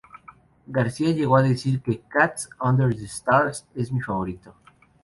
Garcia llegó a decir que ""Cats Under the Stars" es mi favorito.